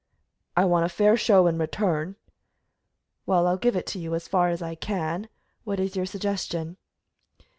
"I want a fair show in return." "Well, I'll give it to you, as far as I can. What is your suggestion?"